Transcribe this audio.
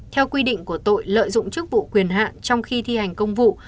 theo quy định của tội lợi dụng chức vụ quyền hạn trong khi thi hành công vụ